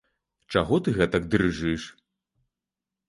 Чаго ты гэтак дрыжыш?